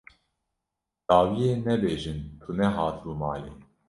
Dawiyê nebêjin tu nehatibû malê.